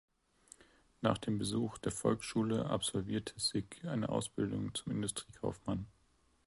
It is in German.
Nach dem Besuch der Volksschule absolvierte Sick eine Ausbildung zum Industriekaufmann.